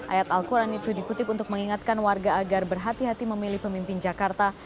ayat al quran itu dikutip untuk mengingatkan warga agar berhati hati memilih pemimpin jakarta